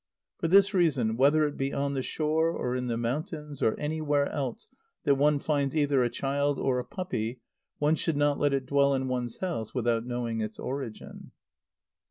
For this reason, whether it be on the shore or in the mountains or anywhere else that one finds either a child or a puppy, one should not let it dwell in one's house without knowing its origin.